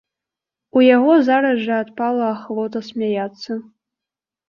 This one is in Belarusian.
У яго зараз жа адпала ахвота смяяцца.